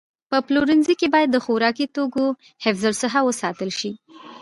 په پلورنځي کې باید د خوراکي توکو حفظ الصحه وساتل شي.